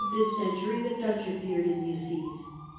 this century the Dutch appeared in these seas.